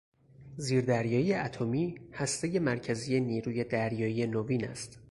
زیردریایی اتمی، هستهی مرکزی نیروی دریایی نوین است